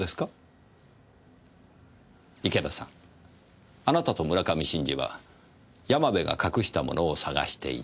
池田さんあなたと村上真治は山部が隠したものを捜していた。